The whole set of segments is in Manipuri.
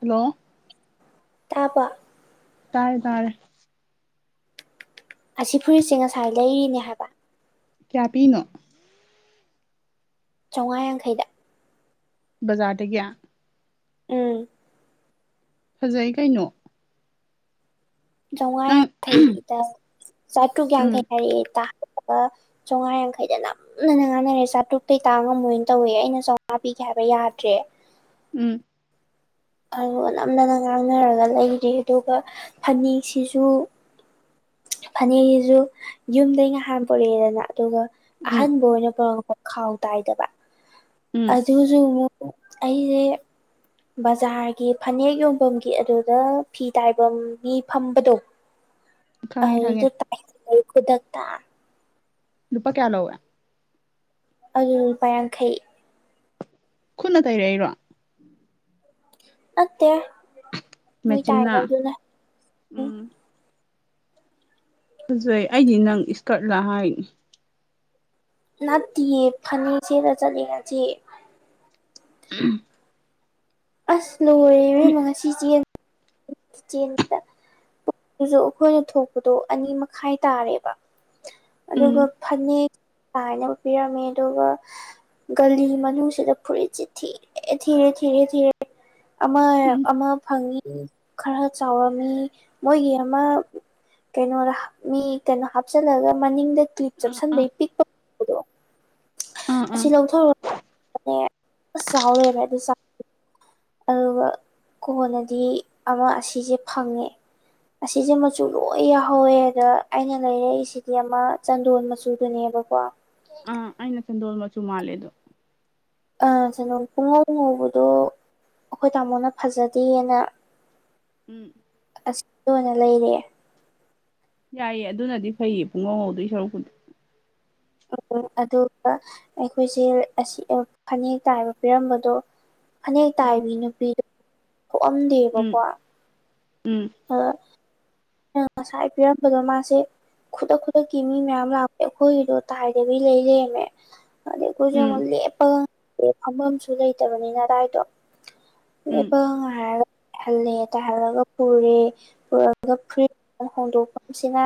ꯍꯜꯂꯣ ꯇꯥꯕ ꯇꯥꯔꯦ ꯇꯥꯔꯦ ꯑꯁꯤ ꯐꯨꯔꯤꯠꯁꯦ ꯉꯁꯥꯏ ꯂꯩꯔꯤꯅꯦ ꯍꯥꯏꯕ ꯀꯌꯥ ꯄꯤꯅꯣ꯫ ꯆꯧꯉꯥ ꯌꯥꯡꯈꯩꯗ꯫ ꯕꯖꯥꯔꯗꯒꯤ꯫ ꯎꯝ꯫ ꯐꯖꯩ ꯀꯩꯅꯣ꯫ ꯆꯧꯉꯥ ꯅꯪ ꯌꯥꯡꯈꯩꯗ ꯆꯥꯇꯔꯨꯛ ꯎꯝ ꯌꯥꯡꯈꯩ ꯍꯥꯏꯔꯛꯑꯦ ꯏꯇꯥ ꯑꯗꯨꯗꯨꯒ ꯆꯧꯉꯥ ꯌꯥꯡꯈꯩꯗꯅꯝ ꯅꯝꯗꯅ ꯉꯥꯡꯅꯔꯦ ꯆꯥꯇꯔꯨꯛꯇꯩ ꯇꯥ ꯉꯝꯃꯣꯏꯅ ꯇꯧꯋꯦ ꯑꯩꯅ ꯆꯧꯉꯥ ꯄꯤꯒꯦ ꯍꯥꯏꯕ ꯌꯥꯗ꯭ꯔꯦ꯫ ꯎꯝ꯫ ꯑꯗꯣꯒ ꯅꯝꯗꯅ ꯉꯥꯡꯅꯔꯒ ꯂꯩꯔꯦ ꯑꯗꯨꯒ ꯐꯅꯤꯛꯁꯤꯁꯨ ꯐꯅꯦꯛꯖꯤꯖꯨ ꯌꯨꯝꯗꯩ ꯉꯍꯥꯟ ꯄꯨꯔꯛꯑꯦꯗꯅ ꯑꯗꯨꯒ ꯎꯝ ꯑꯍꯟꯕ ꯑꯣꯏꯅ ꯄꯨꯔꯛꯄ ꯈꯥꯎ ꯇꯥꯏꯗꯕ ꯎꯝ ꯑꯗꯨꯖꯨ ꯃꯨꯛ ꯑꯩꯖꯦ ꯕꯖꯥꯔꯒꯤ ꯐꯅꯦꯛ ꯌꯣꯟꯕꯝꯒꯤ ꯑꯗꯨꯗ ꯐꯤ ꯇꯥꯏꯕꯝ ꯃꯤ ꯐꯝꯕꯗꯣ꯫ ꯈꯪꯉꯦ ꯈꯪꯉꯦ ꯑꯗꯨꯗ ꯇꯥꯏꯂꯜꯂꯤ ꯈꯨꯗꯛꯇ꯫ ꯂꯨꯄꯥ ꯀꯌꯥ ꯂꯧꯋꯦ꯫ ꯑꯗꯨꯗ [unintelligible] ꯂꯨꯄꯥ ꯌꯥꯡꯈꯩ꯫ ꯈꯨꯠꯅ ꯇꯥꯏꯔꯛꯏꯔꯣ꯫ ꯅꯠꯇꯦ [unintelligible] ꯃꯦꯆꯤꯟꯅ ꯇꯥꯏꯅꯕꯗꯨꯅ ꯎꯝ꯫ ꯐꯖꯩ ꯑꯩꯗꯤ ꯅꯪ ꯏꯁꯀꯔꯠ ꯂ ꯍꯥꯏꯅꯤ꯫ ꯅꯥꯠꯇꯤꯌꯦ [unintelligible] ꯐꯅꯦꯛ ꯁꯦꯠꯂ ꯆꯠꯂꯦ ꯉꯁꯤ꯫ [unintelligible] ꯑꯁ ꯂꯣꯏꯔꯦ ꯏꯕꯦꯝꯃ ꯉꯁꯤ ꯆꯦꯟ ꯆꯦꯟꯕꯗ ꯄꯨꯡꯗꯨꯖꯨ ꯑꯩꯈꯣꯏꯅ ꯊꯣꯛꯄꯗꯣ ꯑꯅꯤ ꯃꯈꯥꯏ ꯇꯥꯔꯦꯕ ꯑꯗꯨꯒ ꯎꯝ ꯐꯅꯦꯛ ꯇꯥꯏꯅꯕ ꯄꯤꯔꯝꯃꯦ ꯑꯗꯨꯒ ꯒꯂꯤ ꯃꯅꯨꯡꯁꯤꯗ ꯐꯨꯔꯤꯠꯁꯤ ꯊꯤꯔꯦ ꯊꯤꯔꯦ ꯊꯤꯔꯦ ꯊꯤꯔꯦ ꯑꯃ [unintelligible] ꯎꯝ ꯑꯃ ꯐꯪꯉꯤ ꯈꯔ ꯆꯥꯎꯔꯝꯃꯤ ꯃꯣꯏꯒꯤ ꯑꯃ ꯀꯩꯅꯣꯗ ꯃꯤ ꯀꯩꯅꯣ ꯍꯥꯞꯆꯜꯂꯒ ꯃꯅꯤꯡꯗ ꯀ꯭ꯂꯤꯞ ꯑꯥ ꯑꯥ ꯆꯞꯁꯟꯕꯩ ꯄꯤꯛꯄ [unintelligible] ꯑꯥ ꯑꯁꯤ ꯂꯧꯊꯧ [unintelligible] ꯆꯥꯎ ꯂꯩꯔꯝꯃꯦ ꯑꯗꯨ ꯆ ꯑꯗꯨꯒ ꯀꯣꯟꯅꯗꯤ ꯑꯃ ꯑꯁꯤꯖꯤ ꯐꯪꯉꯦ꯫ ꯑꯁꯤꯖꯦ ꯃꯆꯨ ꯂꯣꯏ ꯌꯥꯎꯍꯧꯋꯦ ꯑꯗ ꯑꯩꯅ ꯂꯩꯔꯛꯏꯁꯤꯗꯤ ꯑꯃ ꯆꯟꯗꯣꯟ ꯃꯆꯨ ꯗꯨꯅꯦꯕꯀꯣ꯫ ꯑ ꯑꯩꯅ ꯆꯟꯗꯣ ꯃꯆꯨ ꯃꯥꯟꯂꯦꯗꯨ ꯫ ꯑ ꯆꯟꯗꯣꯟ ꯄꯨꯡꯉꯧ ꯉꯧꯕꯗꯣ ꯑꯩꯈꯣꯏ ꯇꯥꯃꯣꯅ ꯐꯖꯗꯦꯅ ꯎꯝ꯫ ꯑꯁꯤ ꯗꯣ ꯑꯣꯏꯅ ꯂꯩꯔꯛꯑꯦ꯫ ꯌꯥꯏꯌꯦ ꯑꯗꯨꯅꯗꯤ ꯐꯩꯌꯦ ꯄꯨꯡꯉꯧ ꯉꯧꯗꯣꯏ ꯁꯔꯨꯛꯄꯨꯗꯤ꯫ [unintelligible] ꯑꯗꯨꯒ ꯑꯩꯈꯣꯏꯁꯦꯔ ꯑꯁꯤ ꯐꯅꯦꯛ ꯇꯥꯏꯌꯣ ꯄꯤꯔꯝꯕꯗꯣ ꯐꯅꯦꯛ ꯎꯝ ꯇꯥꯏꯕꯤ ꯅꯨꯄꯤꯗꯣ ꯎꯝ ꯊꯣꯛꯑꯝꯗꯦꯕꯀꯣ꯫ ꯎꯝ ꯑ [unintelligible] ꯉꯁꯥꯏ ꯄꯔꯝꯕꯗꯣ ꯃꯥꯁꯦ ꯈꯨꯗꯛ ꯈꯨꯗꯛꯀꯤ ꯃꯤ ꯃꯌꯥꯝ ꯂꯥꯞ ꯑꯦ ꯑꯩꯈꯣꯏꯒꯤꯗꯣ ꯇꯥꯏꯗꯕꯤ ꯂꯩꯂꯩꯔꯝꯃꯦ꯫ ꯑꯗꯩ ꯑꯩꯈꯣꯏꯖꯨ ꯎꯝ ꯑꯃꯨꯛ ꯂꯦꯞꯄꯒ [unintelligible] ꯐꯝꯐꯝꯁꯨ ꯂꯩꯇꯕꯅꯤꯅ ꯑꯗꯥꯥꯏꯗꯣ ꯎꯝ ꯂꯦꯞꯄꯒ ꯉꯏꯔꯒ ꯇꯍꯜꯂꯦ ꯇꯍꯜꯂꯒ ꯄꯨꯨꯔꯦ [unintelligible] ꯐꯨꯔꯤꯠ ꯍꯣꯡꯗꯣꯛꯐꯝꯁꯤꯅ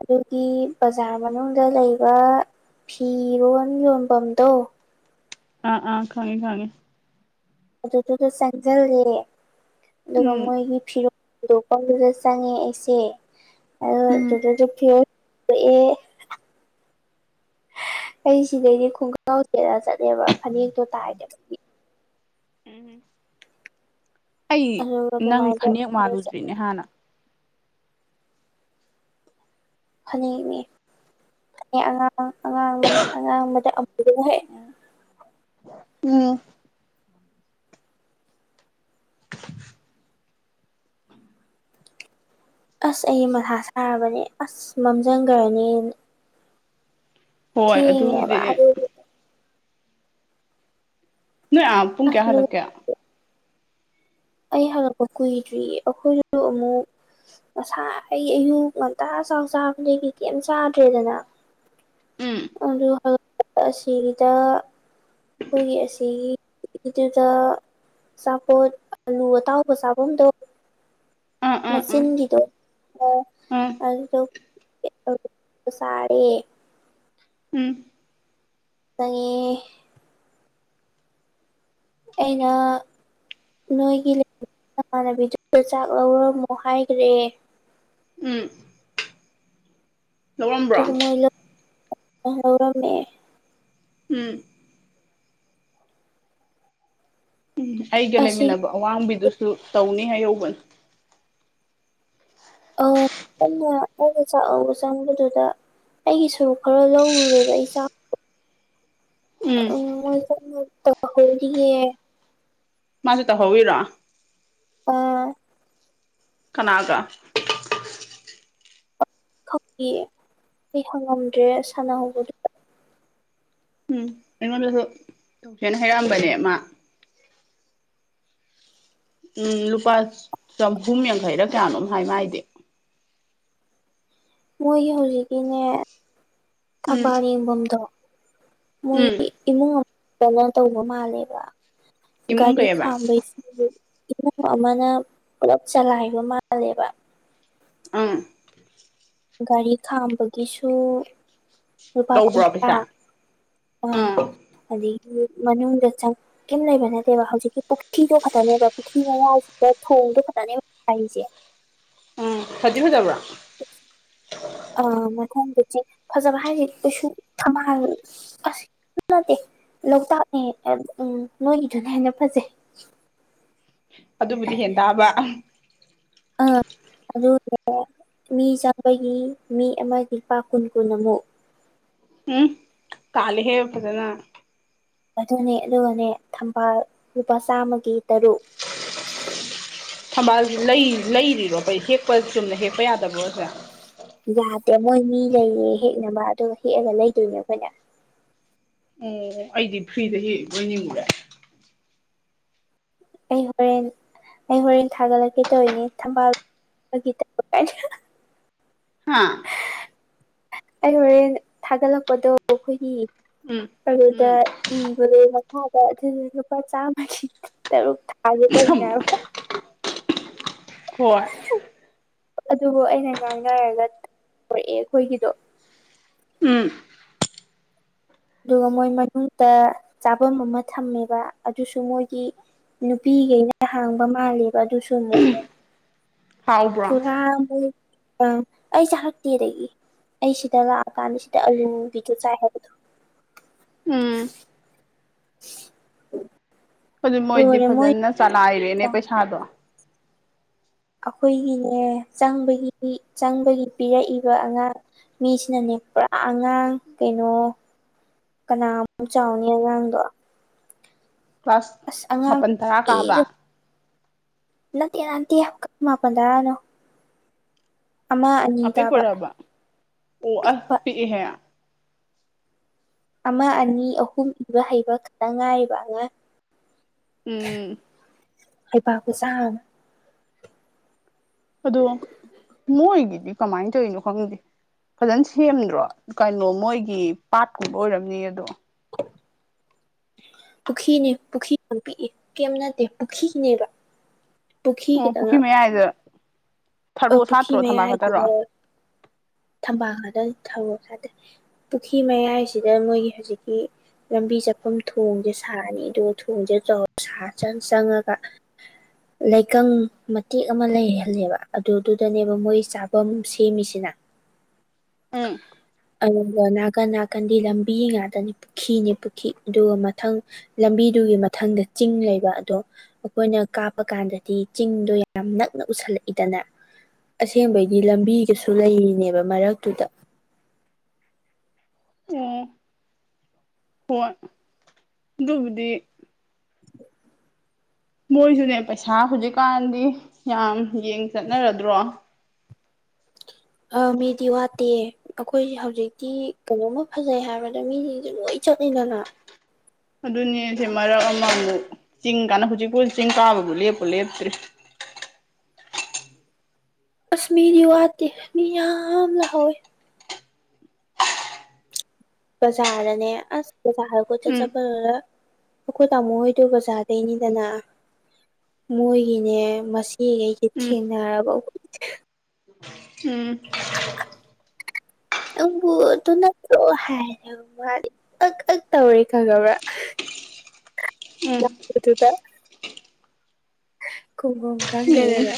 ꯑꯗꯨꯒꯤ ꯕꯖꯥꯔ ꯃꯅꯨꯡꯗ ꯂꯩꯕ ꯐꯤꯔꯣꯟ ꯌꯣꯟꯕꯝꯗꯣ꯫ ꯑꯥ ꯑꯥ ꯈꯪꯉꯤ ꯈꯪꯉꯤ ꯫ ꯑꯗꯨꯗꯨꯗ ꯆꯪꯖꯜꯂꯦ ꯑꯗꯨꯒ ꯎꯝ ꯃꯣꯏꯒꯤ ꯐꯤꯔꯣꯟ ꯆꯪꯉꯦ ꯑꯩꯁꯦ ꯎꯝ [unintelligible] ꯑꯩ ꯁꯤꯗꯩꯗꯤ ꯈꯣꯡꯒꯥꯎ ꯁꯦꯠꯂ ꯆꯠꯂꯦꯕ ꯐꯅꯦꯛꯇꯣ ꯇꯥꯏꯗꯕꯒꯤ ꯑꯩ ꯑꯗꯨꯒ ꯅꯪ ꯑꯗꯨꯃꯥꯏꯅ ꯐꯅꯦꯛ ꯇꯧꯔ ꯆꯠꯂꯦ ꯃꯥꯜꯂꯨꯗ꯭ꯔꯤꯅꯦ ꯍꯥꯟꯅ꯫ ꯐꯅꯦꯛ ꯅꯦ ꯐꯅꯦꯛ ꯑꯉꯥꯡ ꯑꯉꯥꯡꯕꯅꯤ ꯑꯉꯥꯡꯕꯗ ꯑꯃꯨ ꯍꯛꯑꯦ ꯎꯝ ꯑꯁ ꯑꯩꯗꯤ ꯃꯊꯥ ꯁꯥꯔꯕꯅꯦ ꯑꯁ ꯃꯝꯖꯟꯈꯒ꯭ꯔꯅꯤ ꯅ ꯍꯣꯏ ꯊꯦꯡꯈꯦꯕ ꯑꯗꯨꯗꯤ ꯑꯗꯨꯒꯤ ꯅꯣꯏ ꯑꯥ ꯄꯨꯡ ꯑꯁ ꯀꯌꯥ ꯂꯨ ꯍꯜꯂꯛꯀꯦ ꯑꯩ ꯍꯜꯂꯛꯄ ꯀꯨꯏꯗ꯭ꯔꯤꯌꯦ ꯑꯩꯈꯣꯏꯗꯨꯁꯨ ꯑꯃꯨꯛ ꯉꯁꯥꯏ ꯑꯩ ꯑꯌꯨꯛ ꯉꯟꯇꯥ ꯆꯥꯎ ꯆꯥꯕꯗꯒꯤ ꯀꯩꯃ ꯆꯥꯗ꯭ꯔꯦꯗꯅ ꯎꯝ ꯑꯗꯨ ꯍꯜꯂꯛꯄ ꯑꯁꯤꯒꯤꯗ ꯑꯩꯈꯣꯏꯒꯤ ꯑꯁꯤꯒꯤꯗꯨꯗ ꯑꯆꯥꯄꯣꯠ ꯑꯂꯨ ꯑꯇꯥꯎꯕ ꯆꯥꯐꯝꯗꯣ ꯑꯥ ꯑꯥ ꯎꯝ ꯃꯆꯤꯟꯒꯤꯗꯣ ꯑꯥ ꯑꯗꯨꯗꯣ ꯆꯥꯔꯦ ꯎꯝ ꯈꯪꯉꯤ ꯑꯩꯅ ꯅꯣꯏꯒꯤ ꯂꯩꯔꯤꯕ ꯅꯃꯥꯟꯅꯕꯤꯗꯨꯗ ꯆꯥꯛ ꯂꯧꯔꯝꯃꯣ ꯍꯥꯏꯈ꯭ꯔꯦ ꯎꯝ ꯊ ꯂꯧꯔꯝꯕ꯭ꯔꯣ ꯃꯣꯏ ꯂ ꯍꯧꯔꯝꯃꯦ ꯎꯝ ꯎꯝ ꯑꯩꯒ ꯑꯁꯤꯒꯤ ꯂꯩꯃꯤꯟꯅꯕ ꯑꯋꯥꯡꯕꯤꯗꯨꯁꯨ ꯇꯧꯅꯤ ꯍꯥꯏꯍꯧꯕꯅ ꯑ ꯑꯩꯒ ꯆꯥꯛ ꯂꯧꯕ ꯆꯪꯕꯗꯨꯗ ꯑꯩꯒꯤ ꯁꯔꯨ ꯈꯔ ꯂꯧꯔꯨꯔꯦꯕ ꯑꯩ ꯆꯥꯛ ꯎꯝ ꯃꯣꯏ ꯀꯟꯅ ꯇꯧꯍꯧꯔꯤꯌꯦ ꯃꯥꯁꯨ ꯇꯧꯍꯧꯔꯤꯔꯣ ꯑꯥ ꯀꯅꯥꯒ ꯈꯪꯗꯤꯌꯦ ꯑꯩ ꯍꯪꯉꯝꯗ꯭ꯔꯦ ꯁꯥꯟꯅꯍꯧꯕꯗꯨ ꯎꯝ ꯑꯩꯉꯣꯟꯗꯁꯨ ꯇꯧꯁꯦꯅ ꯍꯥꯏꯔꯛꯑꯝꯕꯅꯦ ꯃꯥ ꯎꯝ ꯂꯨꯄꯥ ꯆꯥꯍꯨꯝ ꯌꯥꯡꯈꯩꯔ ꯀꯌꯥꯅꯣꯝ ꯍꯥꯏ ꯃꯥꯏꯗꯤ ꯃꯣꯏꯒꯤ ꯍꯧꯖꯤꯛꯀꯤꯅꯦ ꯎꯝ ꯊꯕꯥꯜ ꯌꯦꯡꯐꯝꯗꯣ ꯃꯣꯏ ꯎꯝ ꯏꯃꯨꯡ ꯑꯃꯇꯅ ꯇꯧꯕ ꯃꯥꯜꯂꯦꯕ ꯏꯃꯨꯡ ꯒꯥꯔꯤ ꯀꯩꯑꯕ ꯈꯥꯝꯕꯩ ꯏꯃꯨꯡ ꯑꯃꯅ ꯄꯨꯂꯞ ꯆꯂꯥꯏꯕ ꯃꯥꯜꯂꯦꯕ ꯎꯝ ꯒꯥꯔꯤ ꯈꯥꯝꯕꯒꯤꯁꯨ ꯂꯨꯄꯥ ꯂꯧꯕ꯭ꯔꯣ ꯀꯨꯟꯊ꯭ꯔꯥ ꯄꯩꯁꯥ ꯎꯝ ꯑꯗꯩꯗꯤ ꯃꯅꯤꯡꯗ ꯆꯪ ꯀꯔꯤꯝ ꯂꯩꯕ ꯅꯠꯇꯦꯕ ꯍꯧꯖꯤꯛꯀꯤ ꯄꯨꯈ꯭ꯔꯤꯗꯣ ꯈꯛꯇꯅꯦꯕ ꯄꯨꯈ꯭ꯔꯤ ꯃꯌꯥꯁꯤꯗ ꯊꯣꯡꯗꯣ ꯈꯛꯇꯅꯦꯕ ꯍꯥꯏꯖꯦ ꯎꯝ ꯐꯗꯤ ꯐꯖꯕ꯭ꯔꯣ ꯑ ꯃꯊꯣꯡꯗꯗꯤ ꯐꯖꯕ ꯍꯥꯏꯁ ꯀꯩꯁꯨꯜ ꯊꯝꯕꯥꯜ ꯑꯁ ꯅꯠꯇꯦ ꯂꯣꯛꯇꯥꯛꯅꯦ ꯎꯝ ꯅꯣꯏꯒꯤꯗꯨꯅ ꯍꯦꯟꯅ ꯐꯖꯩ ꯑꯗꯨꯕꯨꯗꯤ ꯍꯦꯟ ꯇꯥꯕ ꯑꯥ ꯑꯗꯨ ꯃꯤ ꯆꯥꯝꯃꯒꯤ ꯃꯤ ꯑꯃꯒꯤ ꯂꯄꯥ ꯀꯨꯟ ꯀꯨꯟ ꯑꯃꯨꯛ ꯎꯝ ꯇꯥꯜꯂꯦꯍꯦ ꯐꯖꯅ ꯑꯗꯨꯅꯦ ꯑꯗꯨꯒꯅꯦ ꯊꯝꯕꯥꯜ ꯂꯨꯄꯥ ꯆꯥꯝꯃꯒꯤ ꯇꯔꯨꯛ ꯊꯝꯕꯥꯜꯁꯤ ꯂꯩ ꯂꯩꯔꯤꯔꯣ ꯀꯩ ꯍꯦꯛꯄ ꯆꯨꯝꯅ ꯍꯦꯛꯄ ꯌꯥꯗꯕ꯭ꯔꯣꯁꯦ ꯌꯥꯗꯦ ꯃꯣꯏ ꯃꯤ ꯂꯩꯌꯦ ꯍꯦꯛꯅꯕ ꯑꯗꯨꯒ ꯍꯦꯛꯑꯒ ꯂꯩꯗꯣꯏꯅꯦ ꯑꯩꯈꯣꯏꯅ ꯑꯣ ꯑꯩꯗꯤ ꯐ꯭ꯔꯤꯗ ꯍꯦꯛꯏꯕꯣꯏ ꯅꯤꯡꯉꯨꯔꯦ ꯑꯩ ꯍꯣꯔꯦꯟ ꯑꯩ ꯍꯣꯔꯦꯟ ꯊꯥꯒꯠꯂꯛꯀꯦ ꯇꯧꯔꯤꯅꯦ ꯊꯝꯕꯥꯜ [unintelligible] ꯍꯥꯥ ꯑꯩꯅ ꯍꯣꯔꯦꯟ ꯊꯥꯒꯠꯂꯛꯄꯗꯣ ꯑꯩꯈꯣꯏꯒꯤ ꯎꯝ ꯑꯂꯨꯗ ꯎꯝ ꯏ [unintelligible] ꯃꯈꯥꯗ ꯑꯗꯨꯅ ꯂꯨꯄꯥ ꯆꯥꯝꯃꯒꯤ ꯇꯔꯨꯛ ꯊꯥꯒꯦ ꯇꯧꯅꯦꯕ ꯍꯣꯏ ꯑꯗꯨꯕꯨ ꯑꯩꯅ ꯉꯥꯡꯅꯔꯒ ꯄꯨꯔꯛꯑꯦ ꯑꯩꯈꯣꯏꯒꯤꯗꯣ ꯎꯝ ꯑꯗꯨꯒ ꯃꯣꯏ ꯃꯅꯨꯡꯗ ꯆꯥꯐꯝ ꯑꯃ ꯊꯝꯃꯦꯕ ꯑꯗꯨꯁꯨ ꯃꯣꯏꯒꯤ ꯅꯨꯄꯤꯈꯩꯅ ꯍꯥꯡꯕ ꯃꯥꯂꯦꯕ ꯑꯗꯨꯁꯨ ꯑꯃꯨꯛ ꯍꯥꯎꯕ꯭ꯔꯣ ꯄꯨꯔꯥ ꯑꯃꯛ ꯑ ꯑꯩꯁ ꯍꯛꯇꯦꯗꯒꯤ ꯑꯩ ꯁꯤꯗ ꯂꯥꯛ ꯆꯥꯛ ꯀꯥꯟꯗ ꯁꯤꯗ ꯑꯂꯨꯒꯤꯁꯨ ꯆꯥꯏ ꯍꯥꯏꯕꯅꯤ ꯎꯝ [unintelligible] ꯑꯗꯨ ꯃꯣꯏꯗꯤ ꯂꯣꯏꯔꯦ ꯃꯣꯏ ꯐꯖꯅ ꯆꯂꯥꯏꯔꯦꯅꯦ ꯄꯩꯁꯥꯗꯣ ꯑꯩꯈꯣꯏꯒꯤꯅꯦ ꯆꯪꯕꯒꯤ ꯆꯪꯕꯒꯤ ꯄꯤꯔꯛꯏꯕ ꯑꯉꯥꯡ ꯃꯤꯁꯤꯅꯅꯦ ꯄꯨꯔꯥ ꯑꯉꯥꯡ ꯀꯩꯅꯣ ꯀꯅꯥ ꯃꯨꯛ ꯆꯥꯎꯅꯤ ꯑꯉꯥꯡꯗꯣ ꯀ꯭ꯂꯥꯁ ꯑꯁ ꯑꯉꯥꯡ ꯃꯥꯄꯜ ꯇꯔꯥ ꯀꯥꯕ ꯅꯠꯇꯦ ꯅꯠꯇꯦ ꯃꯄꯟ ꯇꯔꯥꯅꯣ ꯑꯃ ꯑꯅꯤ ꯇꯥꯕ ꯑꯄꯤꯛꯄꯔꯕ ꯑꯣ ꯑꯁ ꯄꯤꯛꯄ ꯄꯤꯛꯏꯍꯦ ꯑꯃ ꯑꯅꯤ ꯑꯍꯨꯝ ꯏꯕ ꯍꯩꯕ ꯈꯛꯇꯪ ꯉꯥꯏꯔꯤꯕ ꯑꯉꯥꯡ ꯎꯝ ꯍꯩꯄꯥ ꯈꯨꯁꯥꯃ ꯑꯗꯣ ꯃꯣꯏꯒꯤꯗꯤ ꯀꯃꯥꯏꯅ ꯇꯧꯔꯤꯅꯣ ꯈꯪꯗꯦ ꯐꯖꯅ ꯁꯦꯝꯗ꯭ꯔꯣ ꯀꯩꯅꯣ ꯃꯣꯏꯒꯤ ꯄꯥꯠꯀꯨꯝꯕ ꯑꯣꯏꯔꯝꯅꯤ ꯑꯗꯣ [unintelligible] ꯄꯨꯈ꯭ꯔꯤꯅꯦ ꯄꯨꯈ꯭ꯔꯤ ꯌꯥꯝ ꯄꯤꯛꯏ ꯀꯩꯝ ꯅꯠꯇꯦ ꯄꯨꯈ꯭ꯔꯤꯅꯦꯕ ꯑꯣ ꯄꯨꯈ꯭ꯔꯤ ꯃꯌꯥꯏꯗ ꯊꯔꯣ ꯄꯨꯈ꯭ꯔꯤ ꯁꯥꯠꯇ꯭ꯔꯣ ꯊꯝꯕꯥꯜ ꯈꯛꯇꯔꯣ ꯃꯌꯥꯏꯁꯤꯗ ꯊꯝꯕꯥꯜ ꯈꯗ ꯊꯔꯣ ꯁꯥꯠꯇꯦ ꯄꯨꯈ꯭ꯔꯤ ꯃꯌꯥꯏꯁꯤꯗ ꯃꯣꯏꯒꯤ ꯍꯧꯖꯤꯛꯀꯤ ꯂꯝꯕꯤ ꯆꯠꯐꯝ ꯊꯣꯡꯁꯦ ꯁꯥꯔꯅꯤ ꯑꯗꯨꯒ ꯊꯣꯡꯁꯦ [unintelligible] ꯁꯥꯔ ꯆꯪ ꯆꯪꯉꯒ [unintelligible] ꯂꯩꯀꯪ ꯃꯇꯦꯛ ꯑꯃ ꯂꯩꯍꯜꯂꯦꯕ ꯑꯗꯨꯗꯨꯗꯅꯦꯕ ꯃꯣꯏ ꯆꯥꯐꯝ ꯁꯦꯝꯃꯤꯁꯤꯅ ꯎꯝ ꯑꯗꯨꯒ ꯅꯥꯀꯟ ꯅꯥꯀꯟꯗꯤ ꯂꯝꯕꯤ ꯉꯥꯛꯇꯅꯤ ꯄꯨꯈꯤꯅꯤ ꯄꯨꯈꯤ ꯑꯗꯨꯒ ꯃꯊꯪ ꯂꯝꯕꯤꯗꯨꯒꯤ ꯃꯊꯪꯗ ꯆꯤꯡ ꯂꯩꯕ ꯑꯗꯣ ꯑꯩꯈꯣꯏꯅ ꯀꯥꯕ ꯀꯥꯟꯗꯗꯤ ꯆꯤꯡꯗꯣ ꯌꯥꯝ ꯅꯛꯅ ꯎꯁꯜꯂꯛꯏꯗꯅ ꯑꯁꯦꯡꯕꯩꯗꯤ ꯂꯝꯕꯤꯒꯁꯨ ꯂꯩꯔꯤꯅꯦꯕ ꯃꯔꯛꯇꯨꯗ ꯎꯝ ꯍꯣꯏ ꯑꯗꯨꯕꯨꯗꯤ [inaudible] ꯃꯣꯏꯖꯨꯅꯦ ꯄꯩꯁꯥ ꯍꯧꯖꯤꯛꯀꯥꯟꯗꯤ ꯌꯥꯝ ꯌꯦꯡ ꯆꯠꯅꯔꯗ꯭ꯔꯣ ꯑ ꯃꯤꯗꯤ ꯋꯥꯠꯇꯦ ꯑꯈꯣꯏꯖꯦ ꯍꯧꯖꯤꯛꯇꯤ ꯀꯩꯅꯣꯝꯃ ꯐꯖꯩ ꯍꯥꯏꯕꯗ ꯃꯤꯖꯤꯡꯖꯦ ꯂꯣꯏ ꯆꯠꯂꯤꯗꯅ ꯑꯗꯨꯅꯦꯁꯦ ꯃꯔꯛ ꯑꯃꯥꯃꯨꯛ ꯆꯤꯡ ꯀꯥꯟꯅ ꯍꯧꯖꯤꯛꯄꯨꯗꯤ ꯆꯤꯡ ꯀꯥꯕꯕꯨ ꯂꯦꯞꯄꯨ ꯂꯦꯞꯇ꯭꯭ꯔꯤ ꯑꯁ ꯃꯤꯗꯤ ꯋꯥꯠꯇꯦ ꯃꯤ ꯌꯥꯝ ꯂꯛꯍꯧꯏ ꯕꯖꯥꯔꯗꯅꯦ ꯑꯁ ꯕꯖꯥꯔꯗ ꯀꯣꯏꯆꯠ ꯎꯝ ꯆꯠꯄꯗꯨꯗ ꯑꯈꯣꯏ ꯇꯥꯃꯣ ꯍꯣꯏꯗꯣ ꯕꯖꯥꯔꯗꯩꯅꯤꯗꯅ ꯃꯣꯏꯒꯤꯅꯦ ꯃꯆꯦꯒꯩꯒꯤ ꯎꯝ ꯊꯦꯡꯅꯔꯕ ꯎꯝ ꯅꯪꯕꯨ ꯑꯗꯨ ꯅꯠꯇ꯭ꯔꯣ ꯍꯥꯏꯔꯦꯕ ꯃꯥꯗꯤ ꯑꯛ ꯑꯛ ꯇꯧꯔꯦ ꯈꯪꯉꯕ꯭ꯔꯥ ꯎꯝ [inaudible] ꯗꯨꯗ ꯈꯨꯝꯕꯝ ꯎꯝ ꯈꯪꯗꯗꯅ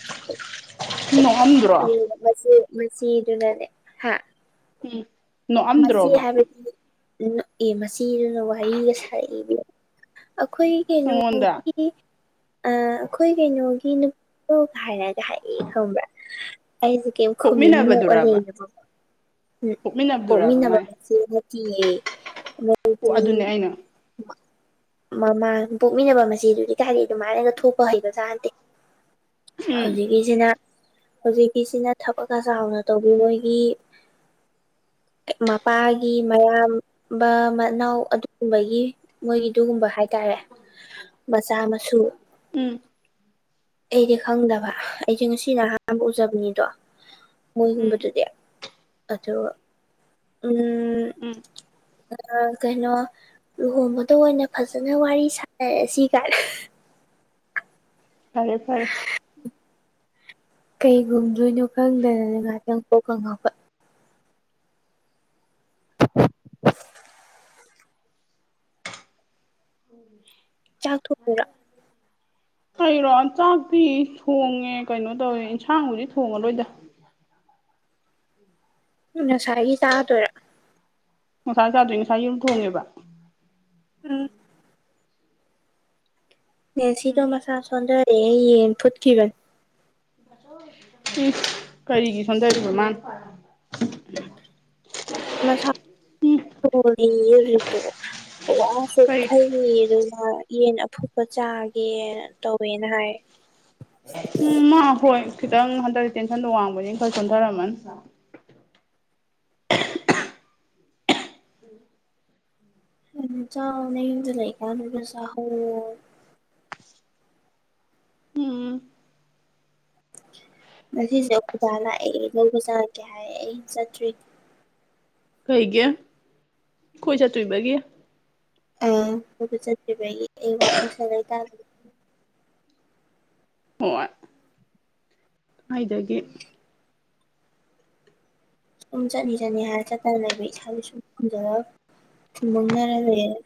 [inaudible] ꯃꯛ ꯑꯝꯗ꯭ꯔꯣ ꯃꯟ ꯃꯆꯦ ꯃꯆꯦꯗꯨꯅꯅꯦ ꯍꯥ ꯎꯝ ꯃꯆꯦ ꯅꯣꯛꯑꯝꯗ꯭ꯔꯣꯕ ꯍꯥꯏꯕꯗꯤ ꯅ ꯑꯦ ꯃꯆꯦꯗꯨꯅ ꯋꯥꯔꯤꯒ ꯁꯥꯔꯛꯏ ꯏꯕꯦ ꯑꯈꯣꯏ ꯅꯪꯉꯣꯟꯗ ꯀꯩꯅꯣꯒꯤ ꯑ ꯑꯈꯣꯏ ꯀꯩꯅꯣꯒꯤ ꯅꯨ ꯑꯣ ꯍꯥꯏꯔꯒ ꯍꯥꯏꯑꯦ ꯈꯪꯕ꯭ꯔꯥ ꯑꯩꯖꯦ ꯀꯩꯝ ꯈꯨꯝꯗꯦ ꯅꯣꯛꯑ ꯄꯣꯛꯃꯤꯟꯅꯕꯗꯨꯔꯕ ꯂꯩꯌꯦꯕ ꯄꯣꯛꯃꯤꯟꯅꯕꯗꯨꯔꯕ ꯄꯣꯛꯃꯤꯟꯅ ꯃꯥꯏ ꯃꯆꯦꯅ ꯅꯠꯇꯤꯌꯦ [inaudible] ꯑꯣ ꯑꯗꯨꯅꯦ ꯑꯩꯅ [inaudible] ꯃꯃꯥꯡ ꯄꯣꯛꯃꯤꯟꯅꯕ ꯃꯆꯦꯗꯨꯗꯤ ꯀꯥꯏꯗꯩ ꯑꯗꯨꯃꯥꯏꯅꯒ ꯊꯣꯛꯄ ꯍꯩꯕꯖꯥꯟꯇꯦ ꯎꯝ ꯍꯧꯖꯤꯛꯀꯤꯖꯤꯅ ꯍꯧꯖꯤꯛꯀꯤꯁꯤꯅ ꯊꯕꯛꯀ ꯆꯥꯎꯅ ꯇꯧꯕꯤ ꯃꯣꯏꯒꯤ ꯑꯦꯛ ꯃꯄꯥꯒꯤ ꯃꯌꯥꯝꯕ ꯃꯅꯥꯎ ꯑꯗꯨꯒꯨꯝꯕꯒꯤ ꯃꯣꯏꯒꯤ ꯑꯗꯨꯒꯨꯝꯕ ꯍꯥꯏꯇꯥꯔꯦ ꯃꯆꯥ ꯃꯁꯨ ꯎꯝ ꯑꯩꯗꯤ ꯈꯪꯗꯕ ꯑꯩꯖꯦ ꯉꯁꯤꯅ ꯑꯍꯥꯟꯕ ꯎꯖꯕꯅꯤꯗꯣ ꯎꯝ ꯃꯣꯏꯒꯨꯝꯕꯗꯨꯗꯤ ꯑꯗꯣ ꯎꯝ ꯎꯝ ꯑ ꯔ ꯀꯩꯅꯣ ꯂꯨꯍꯣꯡꯕꯗ ꯑꯣꯏꯅ ꯐꯖꯅ ꯋꯥꯔꯤ ꯁꯥꯟꯅꯔꯖꯤ ꯒꯥꯏꯅ ꯐꯔꯦ ꯐꯔꯦ ꯀꯩꯒꯨꯝꯗꯣꯏꯅꯣ ꯈꯪꯗꯅꯅ ꯉꯍꯥꯛꯇꯪ ꯄꯣꯛꯀ ꯉꯥꯎꯀ ꯎꯝ ꯆꯥꯛ ꯊꯣꯡꯏꯔꯣ [inaudible] ꯀꯩꯔꯣ ꯆꯥꯛꯇꯤ ꯊꯣꯡꯉꯦ ꯀꯩꯅꯣ ꯇꯧꯋꯦ ꯏꯟꯁꯥꯡꯕꯨꯗꯤ ꯊꯣꯡꯉꯔꯣꯏꯗ ꯎꯝ ꯉꯁꯥꯏꯒꯤ ꯆꯥꯗꯣꯏꯔ ꯉꯁꯥꯏ ꯆꯥꯗ꯭ꯔꯤ ꯉꯁꯥꯏ ꯌꯨꯝ ꯊꯣꯡꯉꯦꯕ ꯎꯝ ꯅꯦꯁꯤꯗꯣ ꯎꯝ ꯃꯁꯥ ꯁꯣꯟꯗꯔꯦꯌꯦ ꯌꯦꯟ ꯐꯨꯠꯈꯤꯕꯅꯤ ꯎꯝ ꯀꯔꯤꯒꯤ ꯁꯣꯟꯗꯔꯤꯕ ꯃꯥꯟ ꯃꯁꯥ [inaudible] ꯎꯝ ꯄꯨꯔꯥ ꯀꯩ ꯆꯣꯛꯊꯩꯌꯦꯌꯦ ꯗꯨ ꯍꯣꯏ ꯌꯦꯟ ꯑꯐꯨꯠꯄ ꯆꯥꯒꯦꯅ ꯇꯧꯋꯦꯅ ꯍꯥꯏ ꯎꯝ ꯃꯥ ꯍꯣꯏ ꯈꯤꯇꯪ ꯍꯟꯗꯛ ꯇꯦꯟꯁꯟꯗꯣ ꯋꯥꯡꯕꯅꯤꯅ ꯈꯔ ꯆꯣꯟꯊꯔꯝꯃꯅꯤ ꯁꯥ ꯑꯗꯨ ꯆꯥꯎ ꯅꯌꯨꯝꯗ ꯂꯩ ꯀꯥꯟꯗꯨꯗ ꯆꯥꯍꯧꯋꯣ ꯎꯝ ꯉꯁꯤꯁꯦ ꯑꯈꯣꯏ ꯕꯥꯅ ꯑꯩ ꯂꯧꯕ ꯆꯪꯉꯛꯀꯦ ꯍꯥꯏ ꯑꯩ ꯆꯠꯇ꯭ꯔꯤ ꯀꯩꯒꯤ ꯈꯣꯏ ꯆꯠꯇꯨꯏꯕꯒꯤ ꯑ ꯀꯣꯏꯕ ꯆꯠꯇꯨꯏꯕꯒꯤ ꯑꯩ ꯋꯥꯈꯜꯁꯦ ꯂꯩꯇꯥꯥꯗ꯭ꯔꯦ ꯍꯣꯏ ꯀꯥꯏꯗꯒꯤ ꯁꯨꯝ ꯆꯠꯅꯤ ꯆꯠꯅꯤ ꯍꯥꯏꯔ ꯆꯠꯇꯅ ꯂꯩꯕꯩ ꯏꯁꯥꯗ ꯁꯨꯝ ꯐꯨꯝꯖꯜꯂꯒ ꯐꯨꯝꯕꯪꯅꯔꯒ ꯂꯩꯌꯦ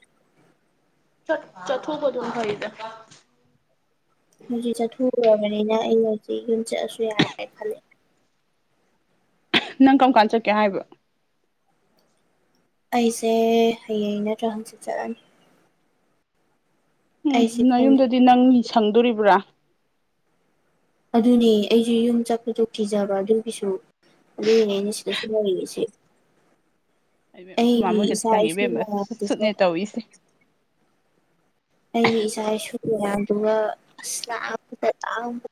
ꯆꯠ ꯆꯠꯊꯣꯛꯄꯗꯨꯅ ꯐꯩꯗꯥ ꯍꯧꯖꯤꯛ ꯆꯠꯊꯣꯛꯎꯔꯕꯅꯤꯅ ꯑꯩꯩꯅ ꯍꯧꯖꯤꯛ ꯌꯨꯝ ꯆꯠꯂꯁꯨ ꯌꯥꯔꯦ ꯈꯜꯂꯦ ꯅꯪ ꯀꯝ ꯀꯥꯟ ꯆꯠꯀꯦ ꯍꯥꯏꯕ ꯑꯩꯁꯦ ꯍꯌꯦꯡ ꯅꯠꯇ꯭ꯔ ꯍꯪꯆꯤꯠ ꯆꯠꯂꯅꯤ ꯎꯝ ꯑꯩꯁꯦ ꯈꯪꯗꯦ ꯅꯌꯨꯝꯗꯗꯤ ꯅꯪ ꯁꯪꯗꯣꯔꯤꯕ꯭ꯔꯥ ꯑꯗꯨꯅꯦ ꯑꯩꯁꯨ ꯌꯨꯝ ꯆꯠꯄꯗꯣ ꯀꯤꯖꯕ ꯑꯗꯨꯒꯤꯁꯨ ꯑꯗꯨꯒꯤꯅꯦ ꯑꯩꯅ ꯁꯤꯗꯁꯨꯝ ꯂꯩꯔꯤꯁꯦ ꯑꯩꯕꯦꯝ ꯑꯩꯈꯣꯏꯃꯥ ꯑꯩꯒꯤ ꯃꯣꯏꯒꯗꯤ ꯏꯆꯥ ꯆꯪꯉꯤ ꯏꯁꯨ ꯏꯕꯦꯝꯃ ꯁꯨꯠ ꯃꯌꯥꯝꯗꯨꯁꯨ ꯁꯨꯠꯅꯦ ꯇꯧꯋꯤꯁꯦ ꯑꯩꯒꯤ ꯏꯆꯥ ꯏꯁꯨ ꯃꯌꯥꯝꯗꯨꯒ ꯑꯁ ꯂꯥꯛꯑꯠ ꯂꯥꯛꯑ